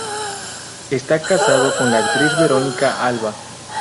Está casado con la actriz Verónica Alva.